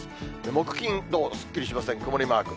木、金、土、すっきりしません、曇りマーク。